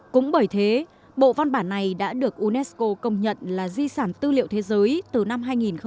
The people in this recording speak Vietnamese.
cũng bởi thế bộ văn bản này đã được unesco công nhận là di sản tư liệu thế giới từ năm hai nghìn một mươi